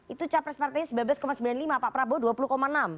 itu capres partainya sembilan belas sembilan puluh lima pak prabowo dua puluh enam